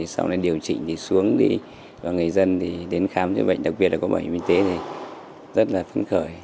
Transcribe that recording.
sau này điều chỉnh thì xuống và người dân đến khám chữa bệnh đặc biệt là có bảo hiểm y tế thì rất là phấn khởi